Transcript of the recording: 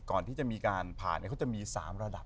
ก่อนที่จะมีการผ่านเขาจะมี๓ระดับ